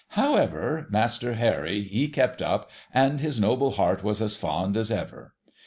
However, INIaster Harry, he kept up, and his noble heart was as fond as ever.